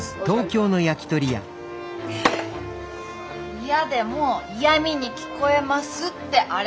いやでも嫌みに聞こえますってあれは！